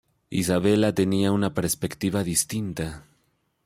Isabella tenía una perspectiva distinta.